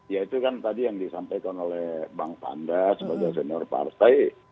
ya itu kan tadi yang disampaikan oleh bang panda sebagai senior partai